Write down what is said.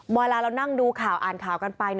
เวลาเรานั่งดูข่าวอ่านข่าวกันไป